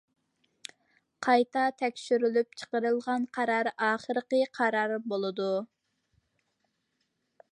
قايتا تەكشۈرۈپ چىقىرىلغان قارار ئاخىرقى قارار بولىدۇ.